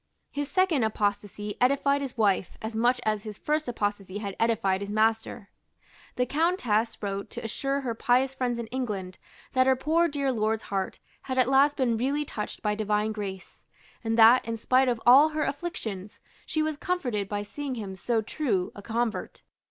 His second apostasy edified his wife as much as his first apostasy had edified his master. The Countess wrote to assure her pious friends in England that her poor dear lord's heart had at last been really touched by divine grace, and that, in spite of all her afflictions, she was comforted by seeing him so true a convert.